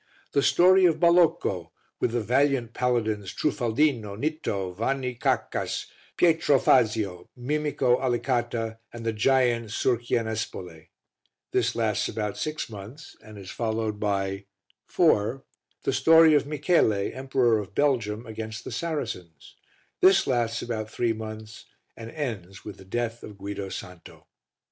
The Story of Balocco with the valiant Paladins Trufaldino, Nitto, Vanni Caccas, Pietro Fazio, Mimico Alicata and the giant Surchianespole. This lasts about six months, and is followed by IV. The Story of Michele, Emperor of Belgium, against the Saracens. This lasts about three months and ends with the death of Guido Santo.